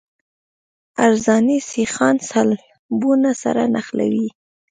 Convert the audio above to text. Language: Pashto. عرضاني سیخان سلبونه سره نښلوي